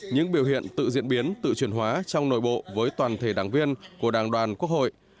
những biểu hiện tự diễn biến tự chuyển hóa trong nội bộ với toàn thể đảng viên của đảng đoàn quốc hội